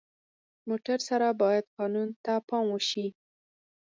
موټر سره باید قانون ته پام وشي.